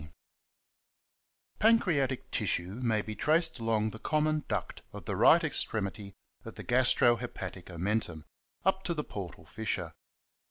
— Pancreatic tissue mav be traced alono the common clnct on the right extremity of the gastro hepatic omentum, up to the portal fissure.